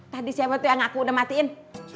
tadi siapa tuh yang aku udah matiin